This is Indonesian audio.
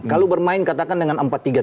kalau bermain katakan dengan empat tiga tiga